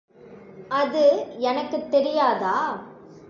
அது எனக்குத் தெரியாதா?